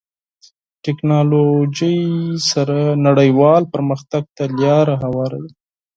ټکنالوژي سره نړیوال پرمختګ ته لاره هواروي.